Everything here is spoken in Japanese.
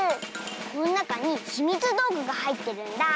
このなかにひみつどうぐがはいってるんだ！